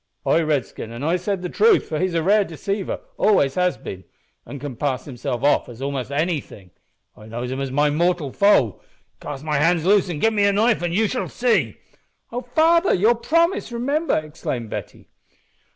"Ay, Redskin, an' I said the truth, for he's a rare deceiver always has been an' can pass himself off for a'most anything. I knows him as my mortal foe. Cast my hands loose an' give me a knife an' you shall see." "O father! your promise remember!" exclaimed Betty.